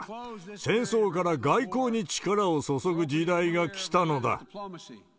戦争から外交に力を注ぐ時代が来たのだ。